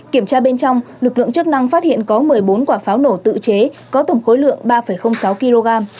kiểm tra bên trong lực lượng chức năng phát hiện có một mươi bốn quả pháo nổ tự chế có tổng khối lượng ba sáu kg